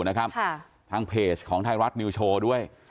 ในการทำตรงในตรวจเบสคิด